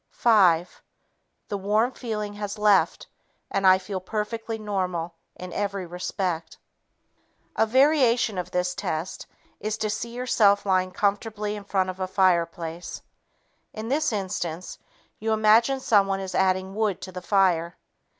Five ... The warm feeling has left, and I feel perfectly normal in every respect." A variation of this test is to see yourself lying comfortably in front of a fireplace. In this instance, you imagine someone is adding wood to the fire.